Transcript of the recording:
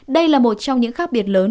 đây là một trong những khác biệt lớn